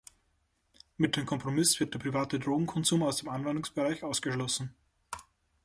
Mit dem Kompromiss wird der private Drogenkonsum aus dem Anwendungsbereich ausgeschlossen.